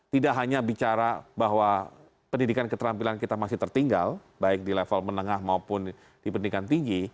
tidak hanya bicara bahwa pendidikan keterampilan kita masih tertinggal baik di level menengah maupun di pendidikan tinggi